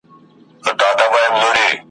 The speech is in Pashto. د اوبو زور یې په ژوند نه وو لیدلی ,